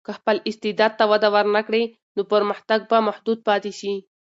که خپل استعداد ته وده ورنکړې، نو پرمختګ به محدود پاتې شي.